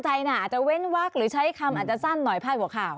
อาจจะเว้นวักหรือใช้คำอาจจะสั้นหน่อยพาดหัวข่าว